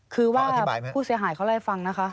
คือว่าผู้เสียหายเขาได้ฟังนะคะ